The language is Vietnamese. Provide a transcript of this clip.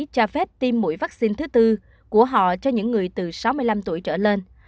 cho phép tiêm mũi vắc xin thứ bốn của họ cho những người từ sáu mươi năm tuổi trở lên